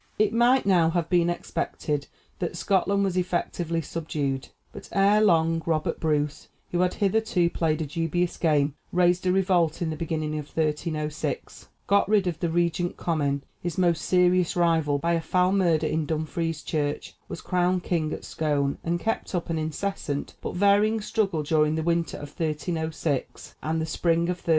It might now have been expected that Scotland was effectively subdued, but ere long Robert Bruce, who had hitherto played a dubious game, raised a revolt in the beginning of 1306, got rid of the regent Comyn, his most serious rival, by a foul murder in Dumfries church, was crowned king at Scone, and kept up an incessant but varying struggle during the winter of 1306 and the spring of 1307.